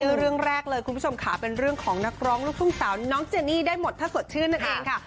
เรื่องแรกเลยคุณผู้ชมค่ะเป็นเรื่องของนักร้องลูกทุ่งสาวน้องเจนี่ได้หมดถ้าสดชื่นนั่นเองค่ะ